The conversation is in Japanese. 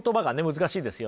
難しいですよね。